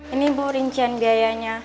ini bu rincian biayanya